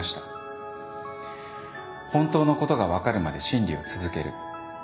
本当のことが分かるまで審理を続ける。